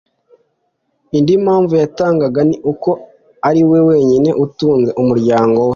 Indi mpamvu yatangaga ni uko ariwe wenyine utunze umuryango we